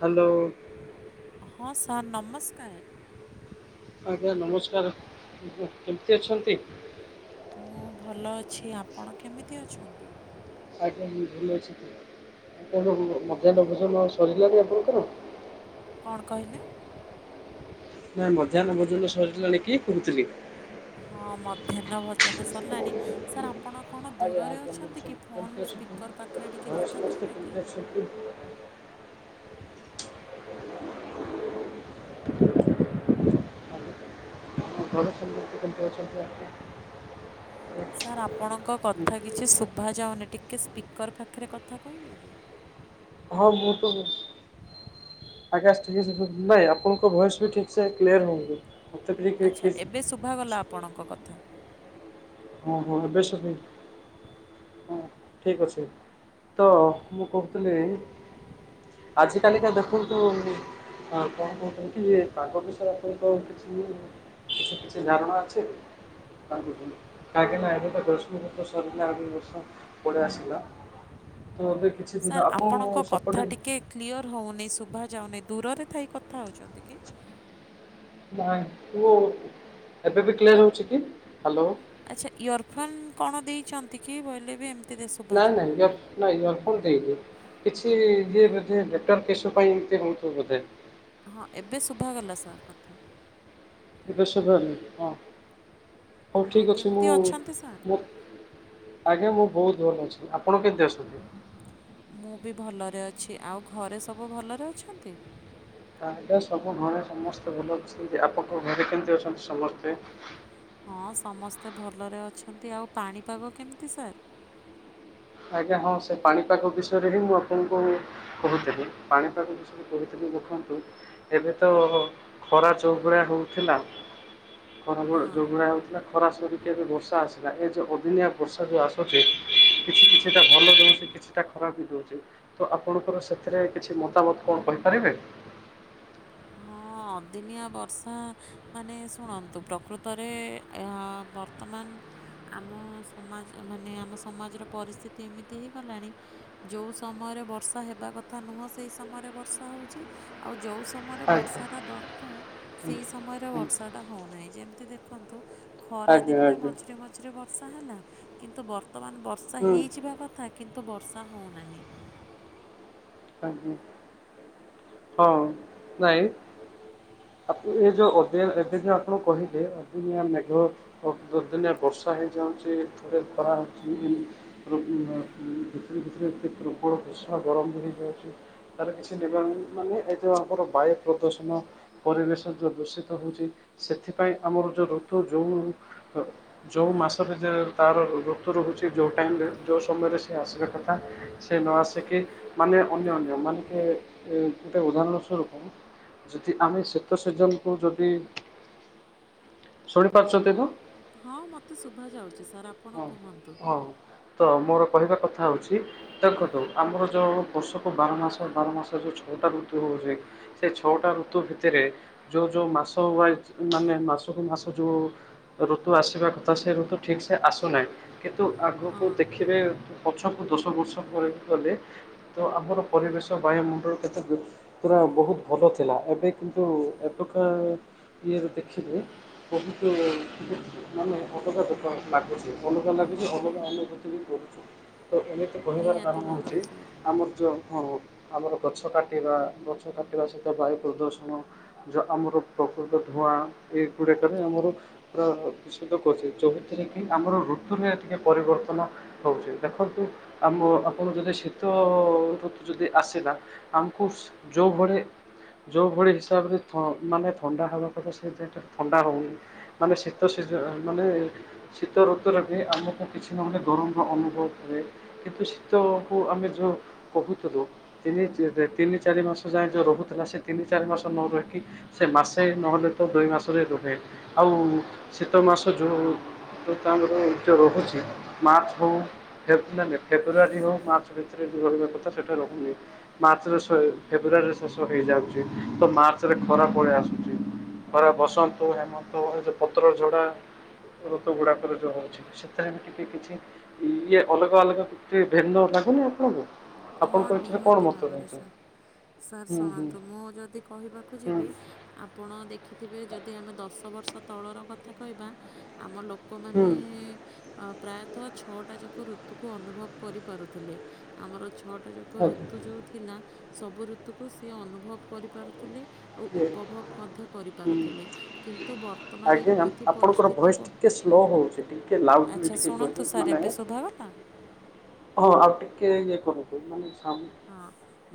Hello. ହଁ sir ନମସ୍କାର। ଆଜ୍ଞା ନମସ୍କାର ଆଜ୍ଞା କେମିତି ଅଛନ୍ତି? ମୁଁ ଭଲ ଅଛି ଆପଣ କେମିତି ଅଛନ୍ତି? ଆଜ୍ଞା ମୁଁ ଭଲ ଅଛି କି ମଧ୍ୟାହ୍ନ ଭୋଜନ ସରିଲାନି ଆପଣଙ୍କର। କଣ କହିଲେ? ନାଇଁ ମଧ୍ୟାହ୍ନ ଭୋଜନ ସରିଲାଣି କି କୋହୁଥିଲି। ହଁ ମଧ୍ୟାହ୍ନ ଭୋଜନ ସରିଲାଣି ସାର ଆ ଆପଣ କଣ ଆଜ୍ଞା ଦୂରରେ ଆଜ୍ଞା ମୁଁ ଅଛନ୍ତି କି ସମ- ଫୋନ୍ କେମିତି ଅଛନ୍ତି ସ୍ପିକର୍ ପାଖରେ ଟିକେ ଘରେ କଥା ସମସ୍ତେ କହିବେ କି? କେମିତି ଅଛନ୍ତି ଆଉ ଘରେ କେମିତି [unintelligible] ଅଛନ୍ତି ଆପଣ। ସାର୍ ଆପଣଙ୍କ କଥା କିଛି ଶୁଭାଯାଉନି ଟିକେ ସ୍ପିକର୍ ପାଖରେ କଥା କହିବେ କି? ହଁ ମୁଁ ତ ଆକାଶ [unintelligible] ନାଇଁ ଆପଣଙ୍କ ଭଏସ୍ ବି ଠିକ ସେ କ୍ଲିୟର ହଉନି। ମୋତେ ବି ଟିକେ ଆଚ୍ଛା ଏବେ ଶୁଭାଗଲା ଆପଣଙ୍କ କଥା। ଓ ହୋ ଏବେ ଶୁଭିଲା। ହଁ ଠିକ୍ ଅଛି ତ ମୁଁ କହୁଥିଲି ଆଜିିକାଲିିକା ଦେଖନ୍ତୁ ଆଉ କଣ କହୁଥିଲି କି, ପାଗ ବିଷୟରେ ଆପଣଙ୍କ କିଛି କିଛି କିଛି ଧାରଣା ଅଛି। କାହିଁକି ନାନା ଏବେ ତ ଗ୍ରୀଷ୍ମ ଋତୁ ସରିଲା ଆଗ ବର୍ଷା ପଳେଇ ଆସିଲା ତ ଏବେ କିଛି ଦିନ ସାର୍ ଆପଣ ଆପଣଙ୍କ କଥା ସେପଟେ ଟିକେ କ୍ଲିଅର ହଉନି ଶୁଭା ଯାଉନି ଦୂରରେ ଥାଇ କଥା ହଉଛନ୍ତି କି? ନାଇଁ କୋ ଏବେ ବି କ୍ଲିୟର ହଉଛି କି, ହ୍ୟାଲୋ? ଆଚ୍ଛା ଇୟରଫୋନ୍ କଣ ଦେଇଛନ୍ତି କି? ବୋଇଲେ ବି ଏମତି ନାଇଁ ନାଇଁ। ନା ଇୟରଫୋନ ଦେଇନି। କିଛି ଇଏ ବୋଧେ ନେଟୱାର୍କ ଇସୁ ପାଇଁ ଏମତି ହେଉଥିବ ବୋଧେ। ହଁ ଏବେ ଶୁଭା ଗଲା ସାର୍ କଥା। ଏବେ ଶୁଭାଗଲା ହଁ, ହଉ ହଁ ଠିକ୍ ଅଛି ମୁଁ କେମିତି ଅଛନ୍ତି ସାର୍ ମୋର ଆଜ୍ଞା ମୁଁ ବହୁତ ଭଲ ଅଛି। ଆପଣ କେମତି ଅଛନ୍ତି? ମୁଁ ବି ଭଲରେ ଅଛି। ଆଉ ଘରେ ସବୁ ଭଲରେ ଅଛନ୍ତି? ତାହା ସବୁ ଘରେ ସମସ୍ତେ ଭଲ ଅଛନ୍ତି। ଆପଣଙ୍କ ଘରେ କେମିତି ଅଛନ୍ତି ସମସ୍ତେ? ହଁ ସମସ୍ତେ ଭଲରେ ଅଛନ୍ତି। ଆଉ ପାଣିପାଗ କେମିତି ସାର୍? ଆଜ୍ଞା ହଁ ସେ ପାଣିପାଗ ବିଷୟରେ ହିଁ ମୁଁ ଆପଣଙ୍କୁ କହୁଥିଲି। ପାଣିପାଗ କହୁଥିଲି ଦେଖନ୍ତୁ, ଏବେ ତ ଖରା ଯଉଭଳିଆ ହଉଥିଲା। ଗରମ ହଁ ଯୋଉଭଳିଆ ଖରା ସରିକି ଏବେ ବର୍ଷା ଆସିଲା ଏ ଯୋଉ ଅଦିନିଆ ବର୍ଷା ଯଉ ଆସୁଛି। କିଛି ହଁ କିଛିଟା ଭଲ ଦଉଛି ସେ କିଛି ଟା ଖରାପ ବି ଦଉଛି ତ ଆପଣଙ୍କର ସେଥିରେ କିଛି ମତାମତ କଣ କହିପାରିବେ। ହଁ ଅଦିନିଆ ବର୍ଷା ମାନେ ଶୁଣନ୍ତୁ ପ୍ରକୃତରେ ଏହା ବର୍ତ୍ତମାନ। ଆମ ସମାଜ ମାନେ ଆମ ସମାଜର ପରିସ୍ଥିତି ଏମିତି ହେଇଗଲାଣି ଯେଉଁ ସମୟରେ ବର୍ଷା ହେବା କଥା ନୁହଁ ସେହି ସମୟରେ ବର୍ଷା ହେଉଛି ଆଉ ଯଉଁ ସମୟରେ ଆଜ୍ଞା ବର୍ଷାଟା ଦରକାର ହୁଁ, ସେଇ ସମୟରେ ହୁଁ। ବର୍ଷାଟା ହେଉନାହିଁ ଯେମିତି ଦେଖନ୍ତୁ ଖରା ଆଜ୍ଞା ଦିନରେ ଆଜ୍ଞା ମଝିରେ ମଝିରେ ବର୍ଷା ହେଲା। କିନ୍ତୁ ବର୍ତ୍ତମାନ ବର୍ଷା ହୁଁ ହେଇଯିବା କଥା କିନ୍ତୁ ବର୍ଷା ହଉନାହିଁ। ଆଜ୍ଞା ହଁ ନାଇଁ। ଆପଣ ଏ ଯେଉଁ ଅଦିଆ ଏବେ ଯେଁ ଆପଣ କହିଲେ ଅଦିନିଆ ମେଘ ପନ୍ଦର ଦିନିଆ ବର୍ଷା ହେଇଯାଉଛି। ଥରେ ଖରା ହଉଛି। ଭିତରେ ଭିତରେ ପ୍ରବର ଭୀଷଣ ଗରମ ଧରି ତାର କିଛି ନିବାରଣ ମାନେ ଏ ଯଉ ଆମର ବାୟୁ ପ୍ରଦୂଷଣ। ପରିବେଶ ଯେଉଁ ଦୂଷିତ ହେଉଛି। ସେଥିପାଇଁ ଆମର ଯେଉଁ ଋତୁ ଯେଉଁ ଯଉ ମାସରେ ତାର ଋତୁ ରହୁଛି ଯୋଉ ଟାଇମରେ ଯୋଉ ସମୟରେ ସେ ଆସିବା କଥା ସେ ନଆସି କି ମାନେ ଅନ୍ୟ ଅନ୍ୟ ମାନକେ ଏ ଗୋଟେ ଉଦାହରଣ ସ୍ଵରୁପ। ଯଦି ଆମେ ଶୀତ ସିଜନକୁ ଯଦି, ଶୁଣି ପାରୁଛନ୍ତି ତ ହଁ ମୋତେ ଶୁଭା ଯାଉଛି ସାର୍ ଆପଣ ହଁ କୁହନ୍ତୁ ହଁ ତ ମୋର କହିବା କଥା ହେଉଛି। ଦେଖନ୍ତୁ ଆମର ଯୋଉ ବର୍ଷକୁ ବାର ମାସ ବାର ମାସ ଯୋଉ ଛଅଟା ଋତୁ ହଉଛି। ସେ ଛଅଟା ଋତୁ ଭିତରେ ଯୋଉ ଯୋଉ ମାସ ୱାଇଜ ମାନେ ମାସକୁ ମାସ ଯୋଉ ଋତୁ ଆସିବା କଥା ସେ ଋତୁ ଠିକ ସେ ଆସୁନାହିଁ। କିନ୍ତୁ ଆଗକୁ ହଁ ଦେଖିବେ ପଛକୁ ଦଶ ବର୍ଷ ପରକୁ ଗଲେ, ତ ଆମର ପରିବେଶ ବାୟୁମଣ୍ଡଳ କେତେ ପୁରା ବହୁତ ଭଲ ଥିଲା। ଏବେ କିନ୍ତୁ ଏବେକା ଇଏରେ ଦେଖିଲେ ବୋହୁତୁ [inaudible] ମାନେ [inaudible] ଲାଗୁଛି ଅଲଗା ଲାଗୁଛି ଅଲଗା ଅନୁଭୂତି ବି କରୁଛୁ ତ ଏମିତ୍ ମୁଁ କହିବାର ନିହାତି କାରଣ ଭାବରେ ହଉଛି ସାର୍ ଆମର ଜ ହଁ ଆମର ଗଛ କାଟିବା ଗଛ କାଟିବା ସହିତ ବାୟୁ ପ୍ରଦୂଷଣ ଯ ଆମର ପ୍ରକୃତ ଧୂଆଁ ଏଇଗୁଡାକରେ ଆମର ପ୍ରାୟ ଦୂଷିତ କରୁଚି ଯେଉଁ ଥିରେ କିି ଆମର ଋତୁରେ ଟିକେ ପରିବର୍ତ୍ତନ ହଉଚି ଦେଖନ୍ତୁ ଆମ ଆପଣ ଯଦି ଶୀତ ଋତୁ ଯଦି ଆସିଲା ଆମକୁ ସ୍ ଯୋଉ ଭରେ ଯୋଉ ଭଳି ହିସାବରେ ଥ ମାନେ ଥଣ୍ଡା ହବା କଥା ସେଇ [unintelligible] ଟା ଥଣ୍ଡା ହଉନି। ମାନେ ଶୀତ ସିଜ ଅ ମାନେ ଶୀତ ଋତୁରେ ବି ଆମୁକୁ କିଛି ନହଲେ ଗରମର ଅନୁଭବ ହୁଏ। କିନ୍ତୁ ଶୀତକୁ ଆମେ ଯୋଉ କହୁଥେଲୁ ତିନି ଚେରେ ତିନି ଚାରି ମାସ ଯାଏଁ ଯୋଉ ରହୁଥିଲା ସେ ତିନି ଚାରି ମାସ ନ ରହିକି ସେ ମାସେ ନହେଲେ ତ ଦୁଇ ମାସରେ ରୁହେ ଆଉ ଶୀତ ମାସ ଯୋଉ ତ ତାଙ୍କର ଏ ଯୋଉ ରହୁଛି ମାର୍ଚ୍ଚ ହଉ ଫେବ୍ ନାଇ ନାଇ ଫେବୃଆାରୀ ହଉ ମାର୍ଚ୍ଚ ଭିତରେ ଯୋଉ ରହିବା କଥା ସେଟା ରହୁନି। ମାର୍ଚ୍ଚରେ ସ ଏ ଫେବୃଆରୀରେ ଶେଷ ହେଇଯାଉଚି ତ ମାର୍ଚ୍ଚରେ ଖରା ପଳେଇ ଆସୁଚି। ଖରା ବସନ୍ତ ହଉ ହେମନ୍ତ ହଉ ଏ ଯୋଉ ପତ୍ର ଝଡା ଋତୁଗୁଡାକରେ ଯୋଉ ହଉଛି ସେଥେରେ ବି ଟିକେ କିଛି ଇଏ ଅଲଗା ଅଲଗା ଟିକେ ଭିର୍ନ୍ନ ଲାଗୁନି ଆପଣଙ୍କୁ। ହଁ ଆପଣଙ୍କ ଏଥିରେ କଣ ନିହାତି ମତ ଭାବରେ ରହୁଛି? ସାର୍। ସାର୍ ହୁଁ ହୁଁ ଶୁଣନ୍ତୁ ମୁଁ ଯଦି କହିବାକୁ ହୁଁ ଯିବି ଆପଣ ଦେଖିଥିବେ ଯଦି ଆମେ ଦଶ ବର୍ଷ ତଳର କଥା କହିବା ଆମ ହୁଁ ଲୋକମାନେ ଆ ପ୍ରାୟତଃ ଛଅଟା ଯାକ ଋତୁକୁ ଅନୁଭବ କରିପାରୁଥିଲେ ଆମର ଛଅଟା ଯା କ ଆଜ୍ଞା ଋତୁ ଯୋଉ ଥିଲା ସବୁ ଋତୁକୁ ସିଏ ଅନୁଭବ କରିପାରୁଥିଲେ। ଆଉ ଇଏ ଉପଭୋଗ ମଧ୍ୟ ହୁଁ କରିପାରୁଥିଲେ କିନ୍ତୁ ବର୍ତ୍ତମାନ ଆଜ୍ଞା ଏମିତି ଆପଣଙ୍କର ପରିସ୍ଥିତି ଭଏସ୍ ପ ଟିକେ ସ୍ଲୋ ହଉଛି ଟିକେ ଲାଉଡଲି ଆଚ୍ଛା ଟିକେ ଶୁଣନ୍ତୁ କୁହ [inaudible] ସାର୍ ଏବେ ମାନେ ଶୁଭାଗଲା ହଁ ଆଉ ଟିକେ ଇଏ କରନ୍ତୁ ମାନେ ସାଉଣ୍ଡ୍ ହଁ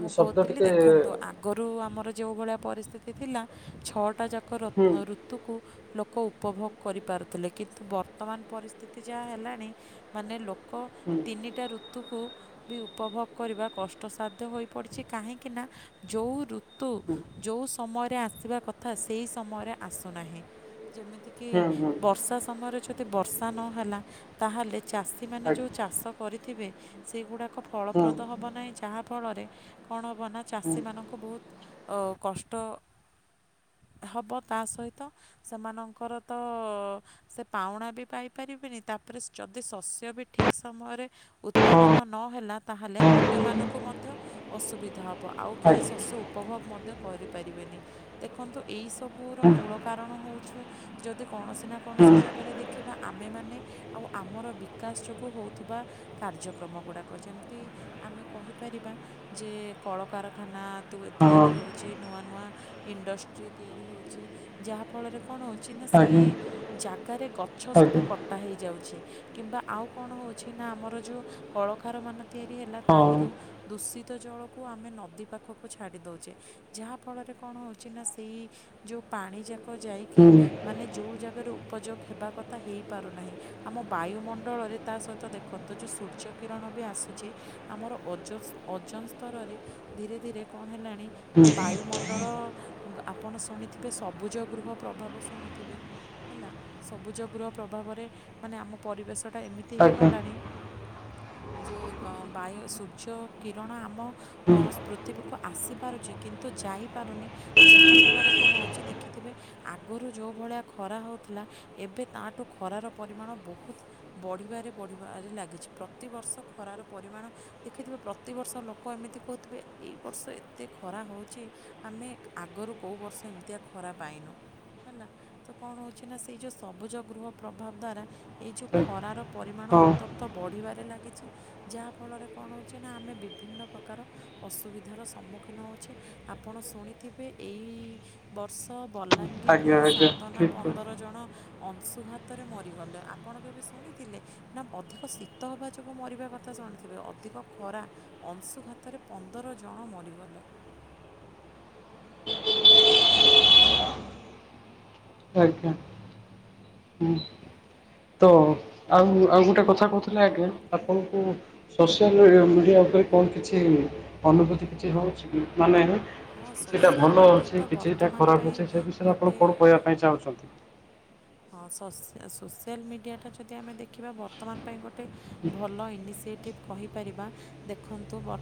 ମୁଁ କହୁଥିଲି ଦେଖନ୍ତୁ ଆ ଗରୁ ଆମର ଯେଉଭଳିଆ ପରିସ୍ତିତି ଥିଲା ଛଅଟା ଯାକ ରତ୍ ହୁଁ ନ ଋ ତୁକୁ ଲୋକ ଉପଭୋଗ କରିପାରୁଥିଲେ କିନ୍ତୁ ବର୍ତ୍ତମାନ ପରିସ୍ତିତି ଯାହା ହେଲାଣି ମାନେ ଲୋକ ହୁଁ ତିନିଟା ଋତୁକୁ ବି ଉପଭୋଗ କରିବା କଷ୍ ଟସାଧ୍ୟ ହୋଇପଡିଛି କାହିଁକି ନା ଯୋଉ ଋତୁ ହୁଁ ଯୋଉ ସ ଅମୟରେ ଆସିବା କଥା ସେଇ ସମୟରେ ଆସୁନାହିଁ ଯେମିତି କି ହୁଁ ହୁଁ ବର୍ଷା ସମୟରେ ଯଦି ବର୍ଷା ନହେଲା ତାହେଲେ ଚାଷୀମାନେ ଯୋଉ ଆଜ୍ଞା ଚାଷ କରିଥିବେ ସେଇଗୁଡାକ ହୁଁ ଫଳପ୍ରଦ ହବ ନାହିଁ ଯାହାଫଳରେ କଣ ହବ ନା ହୁଁ ଚାଷୀମାନଙ୍କୁ ବୋହୁତ ଅଉ କଷ୍ଟ ହବ ତା ସହିତ ସେମାନଙ୍କର ତ ସେ ପାଉଁଣା ବି ପାଇ ପାରିବେନି ତାପରେ ସ୍ ଯଦି ଶସ୍ୟ ବି ଠିକ୍ ସମୟରେ ହଁ ଉତ୍ପାଦନ ନହେଲା ତାହେଲେ ଅନ୍ୟମାନଙ୍କୁ ମଧ୍ୟ ଅସୁବିଧା ହବ ଆଉ କେହି ଆଜ୍ଞା। ଶସ୍ୟ ଉ ପଭୋଗ ମଦ୍ୟ କରିପାରିବେନି ଦେଖନ୍ତୁ ଏଇ ସବୁର ହୁଁ ମୂଳ କାରଣ ହଉଛୁ ଯଦି କୌଣସି ନା ହୁଁ କୌଣସି ଜାଗାରେ ଦେ ଖିବା ଆମେମାନେ ଆଉ ଆମର ବିକାଶ ଯୋଗୁ ହଉଥିବା କାର୍ଯ୍ୟକ୍ରମଗୁଡାକ ଯେମତି ଆମେ କହିପାରିବା ଯେ କଳକାରଖାନା ତୁବୁ ହଁ ତିଆରି ହଉଛି ନୂଆ ନୂଆ। ଇଣ୍ଡଷ୍ଟ୍ରି ତିଆରି ହେଉଛି ଯାହା ଫଳରେ କଣ ହଉ ଛି ନା ସେଇ ଆଜ୍ଞା ଜାଗାରେ ଗଛ ସବୁ ଆଜ୍ଞା କ ଟା ହେଇଯାଉଛି କିମ୍ବା ଆଉ କଣ ହଉଛି ନା ଆମର ଯୋଉ କଳଖାରମାନ ତିଆରି ହେଲା ହଁ ତାହିଁରୁ ଦୂଷିତ ଜଳକୁ ଆମେ ନଦୀ ପାଖକୁ ଛାଡ଼ି ଦେଉଛେ ଯାହାଫଳରେ କଣ ହେଉଛି ନା ସେଇ। ଯଉ ପାଣିଯାକ ଯାଇକି ହୁଁ ମାନେ ଯଉ ଜାଗାରେ ଉପଯୋଗ ହେବା କଥା ହେଇପାରୁନାହିଁ। ଆମ ବାୟୁମଣ୍ଡଳରେ ତା ସହିତ ଦେଖନ୍ତୁ ଯୋଉ ସୂର୍ଯ୍ୟ କିରଣ ବି ଆସୁଛି। ଆମର ଓଜ ଓଜନ ସ୍ତରରେ ଧୀରେ ଧୀରେ କଣ ହେଲାଣି। ହୁଁ ନା ବାୟୁମଣ୍ଡଳ ଆପଣ ଶୁଣିଥିବେ ସବୁଜ ଗୃହ ପ୍ରଭାବ ଶୁଣିଥିବେ। ହେଲା ସବୁଜ ଗୃହ ପ୍ରଭାବରେ ମାନେ ଆମ ପରିବେଶଟା ଏମି ଆଜ୍ଞା ହେଇଗଲାଣି ଯେ ବାୟ ସୂର୍ଯ୍ୟ କିରଣ ଆମ। ହୁଁ ହସ୍ ପୃଥିବୀକୁ ଆସିପାରୁଛି କିନ୍ତୁ ଯାଇପାରୁନି। ଯାହାଫଳରେ କଣ ହେଉଛି ଦେଖିଥିବେ। ଆଗରୁ ଯଉ ଭଳିଆ ଖରା ହଉଥିଲା ଏବେ ତାଠୁ ଖରାର ପରିମାଣ ବହୁତ। ବଢ଼ିବାରେ ବଢ଼ିବାରେ ଲାଗିଛି ପ୍ରତିବର୍ଷ ଖରାର ପରିମାଣ। ଦେଖିଥିବେ ପ୍ରତିବର୍ଷ ଲୋକ ଏମିତି କହୁଥିବେ ଏଇ ବର୍ଷ ଏତେ ଖରା ହଉଛି। ଆମେ ଆଗରୁ କେଉଁ ବର୍ଷ ଏମିତିଆ ଖରା ପାଇନୁ ହେଲା। ତ କଣ ହଉଛି ନା ସେଇ ଯେଉ ସବୁଜ ଗୃହ ପ୍ରଭାବ ଦ୍ଵାରା। ଏଇ ଯୋଉ ହଁ ଖରାର ପରିମାଣ ଉତ୍ତପ୍ତ ବଢିବାରେ ଲାଗିଛି ଯାହାଫଳରେ। କଣ ହେଉଛେ ନା ଆମେ ବିଭିନ୍ନ ପ୍ରକାର। ଅସୁବିଧାର ସମ୍ମୁଖୀନ ହେଉଛେ ଆପଣ ଶୁଣିଥିବେ ଏଇ। ବର୍ଷ ବଲାଙ୍ଗୀରିରେ ଆଜ୍ଞା ଆଜ୍ଞା ସାତ ନା ଠିକ୍ ପନ୍ଦର ଜଣ। ଅଂଶୁଘାତରେ ମରିଗଲେ ଆପଣ କେବେ ଶୁଣିଥିଲେ। ନା ଅଧିକ ଶୀତ ହବା ଯୋଗୁ ମରିବା କଥା ଶୁଣିଥିବେ। ଅଧିକ ଖରା ଅଂଶୁଘାତରେ ପନ୍ଦର ଜଣ ମରିଗଲେ। [inaudible] ଆଜ୍ଞା। ହୁଁ [inaudible] ତ। ଆଉ ଆଉ ଗୋଟେ କଥା କହୁଥିଲେ ଆଜ୍ଞ ଆପଣଙ୍କୁ। ସୋସିଆଲ ମିଡିଆ ଉପରେ କଣ କିଛି ଅନୁଭୂତି କିଛି ରହୁଛି କି ମାନେ। ହଁ କିଛିଟା ସୋସିଆଲ୍ ଭଲ ମିଡ଼ିଆ ତ ଅଛି କିଛିଟା ବର୍ତ୍ତମାନ ପାଇଁ ଖରାପ ଅଛି ସେ ବିଷୟରେ ଗୋଟେ ଆପଣ କଣ କହିବା ପାଇଁ ଚାହୁଁଛନ୍ତି। ହଁ ସସ୍ ସୋସିଆଲ ମିଡ଼ିଆଟା ଯଦି ଆମେ ଦେଖିବା ବର୍ତ୍ତମାନ ପାଇଁ ଗୋଟେ ଭଲ ଇନିସିଏଟି। କହିପାରିବା ଦେଖନ୍ତୁ ବ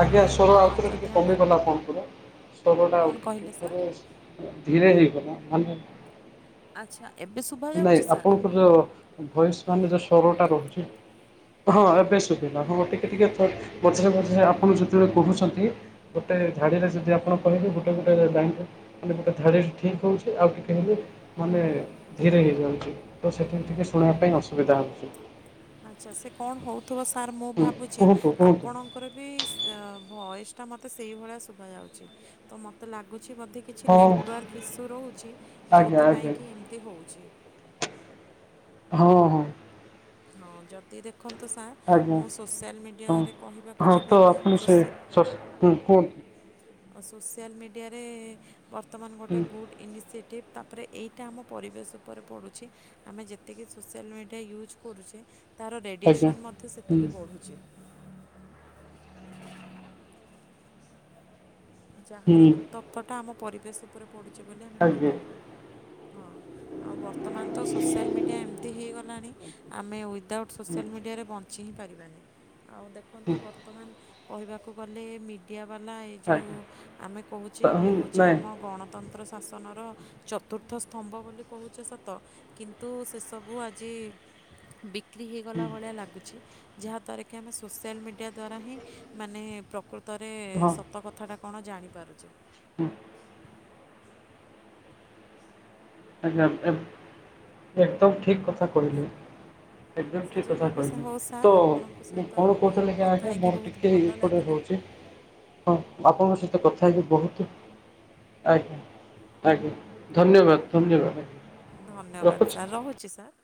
ଆଜ୍ଞା ସ୍ୱର ଆଉଥରେ ଟିକେ ଆମେ କମିଗଲା ଆପଣଙ୍କର। ସ୍ୱର ଟା ଆଉ କ'ଣ ଟିକେ କହିଲେ ସାର୍ ଥରେ ଧୀରେ ହେଇଗଲା ମାନେ। ଆଚ୍ଛା। ଏବେ ସୁବ ନାଇଁ ଆପଣଙ୍କର ଯୋଉ ଭଏସ ମାନେ ଯୋଉ ସ୍ୱର ଟା ରହୁଛି। ହଁ ଏବେ ସୁବିଲା ହଁ ଟିକେ ଟିକେ ଥ ମଝିରେ ମଝିରେ ଆପଣ ଯେତେବେଳେ କହୁଛନ୍ତି। ଗୋଟେ ଝାଡିରେ ଯଦି ଆପଣ କହିବେ ଗୋଟେ ଗୋଟେ ବା ମାନେ ଗୋଟେ ଧାଡି ଠିକ ହଉଛି ଆଉ ଟିକେ ଗଲେ ମାନେ। ଧୀରେ ହେଇଯାଉଛି ତ ସେଠି ଟିକିଏ ଶୁଣିବା ପାଇଁ ଅସୁବିଧା ହେଉଛି। ଆଚ୍ଛା ସେ କଣ ହେଉଥିବ ସାର୍ ମୁଁ ହୁଁ ଭାବୁଛି କୁହନ୍ତୁ କୁହନ୍ତୁ ଆପଣ। କର ବି ଭଏସ ଟା ମତେ ସେଇଭଳିଆ ଶୁଭା ଯାଉଛି ମତେ ଲାଗୁଛି ବଧେ କି କିଛି ହଁ ନେଟୱାର୍କ ଇସୁ ରହୁଛି ଆଜ୍ଞା ଯଉଥିପାଇଁ ଆଜ୍ଞା କି ଏମିତି ହେଉଛି। ହଁ ହଁ। ହଁ ଯଦି ଦେଖନ୍ତୁ ସାର୍ ଆଜ୍ଞା ମୁଁ ସୋସିଆଲ ମିଡ଼ିଆରେ କହିବାକୁ ତ ଯିବି ଆପଣ ସେ ସୋସି ସସ୍ ହଁ କୁହନ୍ତୁ। ସୋସିଆଲ ମିଡ଼ିଆରେ ବର୍ତ୍ତମାନ ଗୋଟେ ହୁଁ ଗୁଡ୍ ଇନିସିଏଟିଭ୍ ତାପରେ ଏଇଟା ଆମ ପରିବେଶ ଉପରେ ପଡ଼ୁଛି। ଆମେ ଯେତିକି ସୋସିଆଲ ମିଡ଼ିଆ ୟୁଜ୍ କରୁଛେ ତାର ଆଜ୍ଞା। ରେଡ଼ିଏସନ୍ ମଧ୍ୟ ହୁଁ ସେତିକି ବଢ଼ୁଛି। ଯାହାର ହୁଁ ଉତ୍ତପ୍ତଟା ଆମ ପରିବେଶ ଉପରେ ପଡ଼ୁଛି ବୋଲି ଆମେ ଆଜ୍ଞା କହିପାରିବା ହଁ। ଆଉ ବର୍ତ୍ତମାନ ତ ସୋସିଆଲ ମିଡ଼ିଆ ଏମିତି ହେଇଗଲାଣି ଆମେ ୱିଦାଉଟ୍ ହୁଁ ସୋସିଆଲ୍ ମିଡ଼ିଆରେ ବଞ୍ଚ କିଛି ହିଁ ପାରିବାନି ଆଉ ଦେଖନ୍ତୁ ବର୍ତ୍ତମାନ କହିବାକୁ ଗଲେ ମିଡ଼ିଆ ବାଲା ଯୋଉଁ ଆଜ୍ଞା। ଆମେ କହୁଚେ ଇଏ ହେଉଚି ନାଇଁ ଆମ ଗଣ ସ୍ୱତନ୍ତ୍ର ଶାସନର ଚତୁର୍ଥ ସ୍ତମ୍ଭ ବୋଲି କହୁଚେ ସତ କିନ୍ତୁ ସେ ସବୁ ଆଜି ବି ବିକ୍ରି ହୋଇଗଲା ଭଳିଆ ଲାଗୁଚି ଯାହାଦ୍ୱାରା କି ଆମେ ସୋସିଆଲ ମିଡ଼ିଆ ଦୁୱାରା ହିଁ ମାନେ ପ୍ରକୃତ ସତରେ ହଁ ସତ କଥାଟା କଣ ଜାଣିପାରୁଚେ। ହୁଁ। [unintelligible] ଏକଦମ ଠିକ କଥା କହିଲେ। ଏକଦମ ସେ ଠିକ କଥା ଯାହା ବିି କହିଲେ ହଉ ତ ସାର୍ ଆପଣଙ୍କ ମୁଁ ସହିତ କଣ କହୁଥିଲି କି କଥା ଆଜ୍ଞା ହେଇକି ମୋର ବହୁତ ଟିକେ ଭଲ ଲାଗିଲା ରହୁଚି। ହଁ ଆପଣଙ୍କ ସହିତ କଥା ହେଇକି ବୋହୁତ ଆଜ୍ଞା ଆଜ୍ଞା ଧନ୍ୟବାଦ ଧନ୍ୟବାଦ। ଧନ୍ୟବାଦ ରଖୁଛି ସାର୍ ରହୁଚି ସାର୍।